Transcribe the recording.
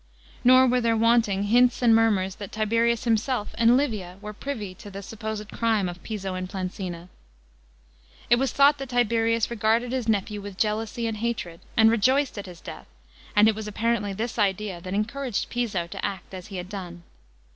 N^r were there wanting hints and murmurs that Tiberius Limse^f and Livia wcrt privy to the supposed crime of Piso and Planuina. It was thought that Tiberius regarded his nephew with jealousy and hatred, r.nd rejoiced at his death; and it was apparently this idea that en couraged Piso to act as lie had done.